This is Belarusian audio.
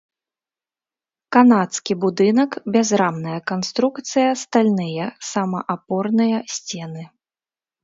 Канадскі будынак, бязрамная канструкцыя, стальныя самаапорныя сцены.